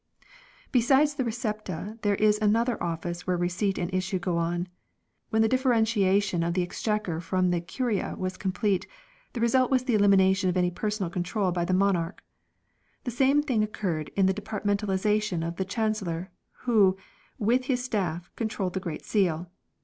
Besides the " Recepta " there is another office where receipt and issue go on. When the differentiation of the Exchequer from the " Curia " was complete the result was an elimination of any personal control by the Monarch. The same thing occurred in the de partmentalization of the Chancellor, who, with his staff, controlled the Great Seal.